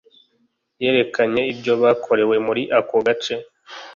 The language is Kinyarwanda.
yerekanye ibyo bakorewe muri ako gace